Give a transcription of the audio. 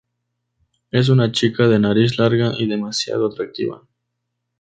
Es una chica de nariz larga y demasiado atractiva.